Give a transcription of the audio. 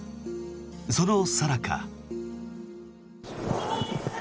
そのさなか。